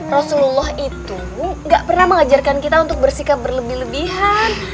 rasulullah itu gak pernah mengajarkan kita untuk bersikap berlebih lebihan